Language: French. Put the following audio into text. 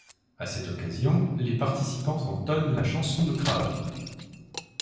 À cette occasion, les participants entonnent la chanson de Craonne.